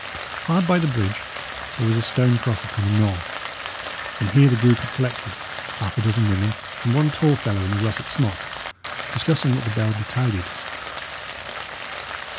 Hard by the bridge, there was a stone cross upon a knoll, and here the group had collected half a dozen women and one tall fellow in a russet smock discussing what the bell betided.